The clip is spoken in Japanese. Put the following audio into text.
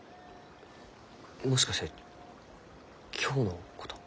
もしかして今日のこと？